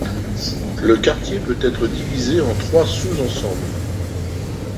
Le quartier peut être divisé en trois sous-ensembles.